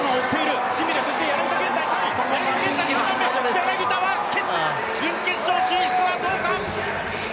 柳田は準決勝進出はどうか？